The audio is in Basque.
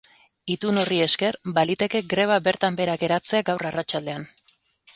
Itun horri esker, baliteke greba bertan behera geratzea gaur arratsaldean.